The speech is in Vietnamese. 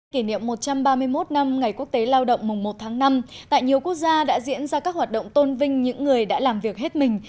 kỷ niệm một trăm ba mươi một năm ngày quốc tế lao động mùng một tháng năm tại nhiều quốc gia đã diễn ra các hoạt động tôn vinh những người đã làm việc hết mình